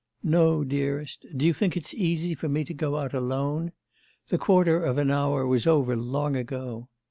'No, dearest. Do you think it's easy for me to get out alone? The quarter of an hour was over long ago.